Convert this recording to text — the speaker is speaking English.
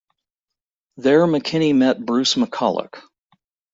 There, McKinney met Bruce McCulloch.